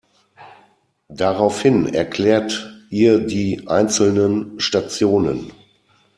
Daraufhin erklärt ihr die einzelnen Stationen.